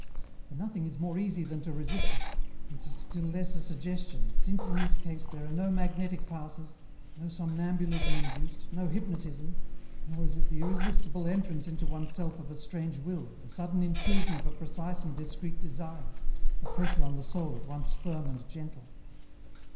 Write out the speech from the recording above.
for nothing is more easy than to resist it it i? stiL less a suggestion, since, in this case, there are no magnetic passes, no somnambulism induced, no hypnotism nc it is the irresistible entrance into one self of z strange will, the sudden intrusion of a precise and discreet desire a pressure on the soul at once firm and gentle.